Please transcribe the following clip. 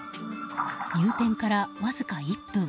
入店からわずか１分。